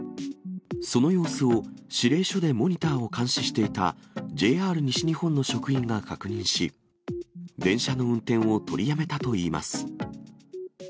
その様子を、指令所でモニターを監視していたＪＲ西日本の職員が確認し、電車の運転を取りやめたといいます。